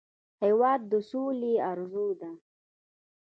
هېواد د سولې ارزو ده.